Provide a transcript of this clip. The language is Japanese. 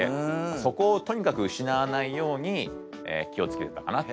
そこをとにかく失わないように気を付けてたかな。